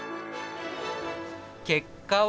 結果は。